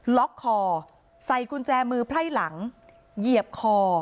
ล็อกคอใส่กุญแจมือไพ่หลังเหยียบคอ